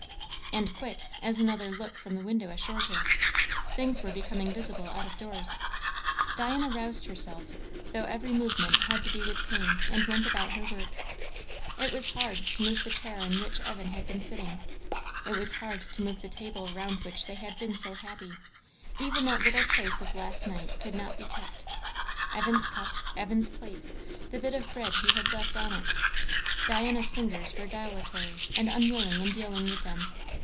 And quick, as another look from the window assured her. Things were becoming visible out of doors. Diana roused herself, though every movement had to be with pain, and went about her work. It was hard to move the chair in which Evan had been sitting; it was hard to move the table around which they had been so happy; even that little trace of last night could not be kept. Evan's cup, Evan's plate, the bit of bread he had left on it, Diana's fingers were dilatory and unwilling in dealing with them.